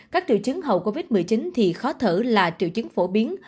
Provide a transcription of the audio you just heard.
các triệu chứng hậu covid một mươi chín thì khó thở là triệu chứng phổ biến